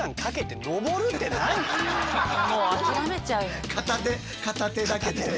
もう諦めちゃうよね。